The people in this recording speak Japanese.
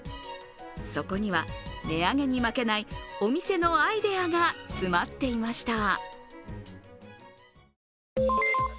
そこには値上げに負けないお店のアイデアが詰まっていました。